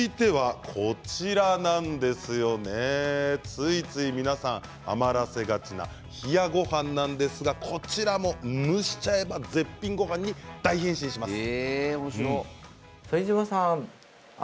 続いてはついつい皆さん余らせがちな冷やごはんなんですがこちらも蒸しちゃえば絶品ごはんに大変身します。